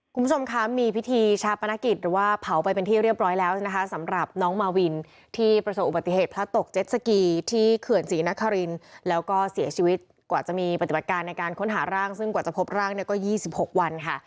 คุณผู้ชมคะมีพิธีชาปนกิจหรือว่าเผาไปเป็นที่เรียบร้อยแล้วนะคะสำหรับน้องมาวินที่ประสบอุบัติเหตุพระตกเจ็ดสกีที่เขื่อนศรีนครินแล้วก็เสียชีวิตกว่าจะมีปฏิบัติการในการค้นหาร่างซึ่งกว่าจะพบร่างเนี่ยก็๒๖วันค่ะ